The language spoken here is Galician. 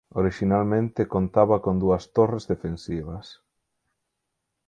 Orixinalmente contaba con dúas torres defensivas.